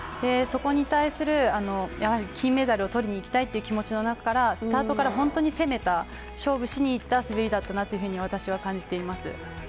そこに対する金メダルを取りにいきたいという気持ちの中から、スタートから本当に攻めた、勝負しにいった滑りだったなと私は感じています。